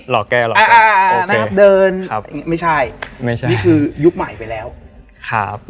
รอแก้หลอกแก้เดินครับไม่ใช่ไม่ใช่นี่คือยุคใหม่ไปแล้วครับ